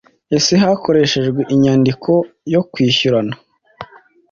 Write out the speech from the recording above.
Ese hakoreshejwe inyandiko yo kwishyurana‽